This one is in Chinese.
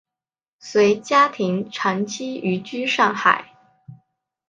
随家庭长期寓居上海。